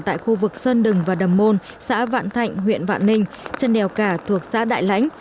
tại khu vực sơn đừng và đầm môn xã vạn thạnh huyện vạn ninh chân đèo cả thuộc xã đại lãnh